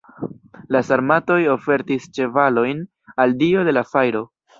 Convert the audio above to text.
La sarmatoj ofertis ĉevalojn al dio de la fajro.